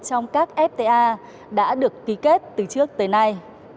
trong các fta đã được ký kết từ trước tới nay